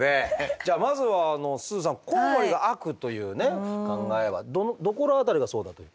じゃあまずはすずさんコウモリが悪というね考えはどこら辺りがそうだという。